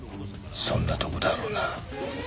そんなとこだろうな。